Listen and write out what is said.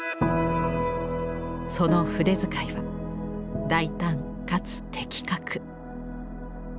その筆遣いは大胆かつ的確。